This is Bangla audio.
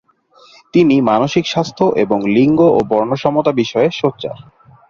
তিনি মানসিক স্বাস্থ্য এবং লিঙ্গ ও বর্ণ সমতা বিষয়ে সোচ্চার।